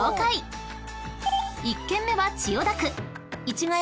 ［１軒目は千代田区］